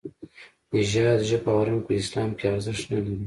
نژاد، ژبه او رنګ په اسلام کې ارزښت نه لري.